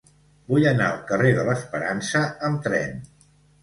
Vull anar al carrer de l'Esperança amb tren.